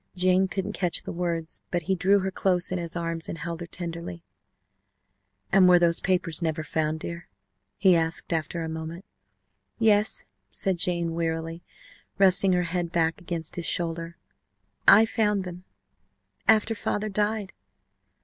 Jane couldn't catch the words, but he drew her close in his arms and held her tenderly: "And were those papers never found, dear?" he asked after a moment: "Yes," said Jane wearily, resting her head back against his shoulder, "I found them, after father died."